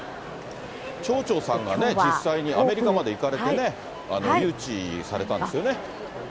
町長さんがね、実際にアメリカまで行かれてね、誘致されたんですよね。